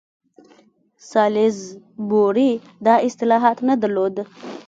سالیزبوري دا صلاحیت نه درلود.